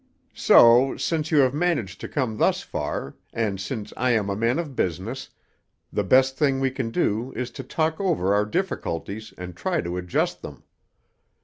"So, since you have managed to come thus far, and since I am a man of business, the best thing we can do is to talk over our difficulties and try to adjust them.